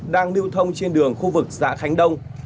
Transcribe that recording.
đang lưu thông trên đường khu vực xã khánh đông